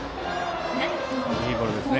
いいボールですね。